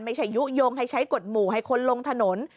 ยุโยงให้ใช้กฎหมู่ให้คนลงถนน